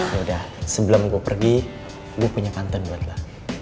yaudah sebelum gue pergi gue punya panten buat lo